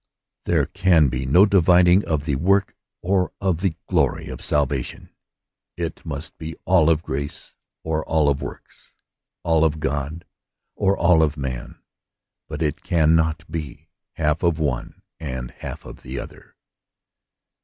There can be no dividing of the work or of the glory of salvation. It must be all of grace or all of works, all of God or all of man ; but it cannot be half of one and half of the other.